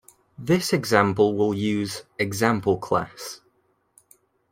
This example will use "ExampleClass".